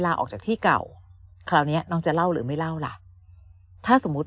ลาออกจากที่เก่าคราวเนี้ยน้องจะเล่าหรือไม่เล่าล่ะถ้าสมมุติ